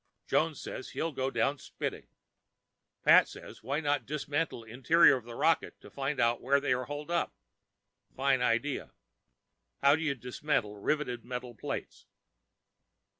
Jones says he'll go down spitting. Pat says why not dismantle interior of rocket to find out where they're holing up? Fine idea. How do you dismantle riveted metal plates?